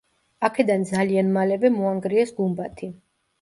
აქედან ძალიან მალევე მოანგრიეს გუმბათი.